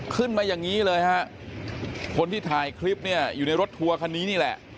ขึ้นมาอย่างนี้เลยฮะคนที่ถ่ายคลิปเนี่ยอยู่ในรถทัวร์คันนี้นี่แหละ